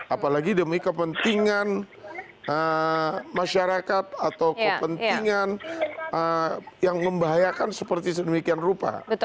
apalagi demi kepentingan masyarakat atau kepentingan yang membahayakan seperti sedemikian rupa